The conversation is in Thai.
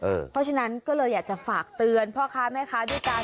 เพราะฉะนั้นก็เลยอยากจะฝากเตือนพ่อค้าแม่ค้าด้วยกัน